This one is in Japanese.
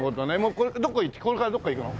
これからどっか行くの？